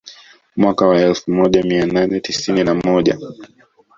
Mweaka wa elfu moja mia nane tisini na moja